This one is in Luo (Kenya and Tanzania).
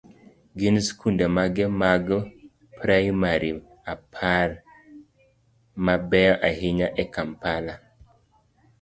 gin skunde mage mag praimari apar mabeyo ahinya e Kampala?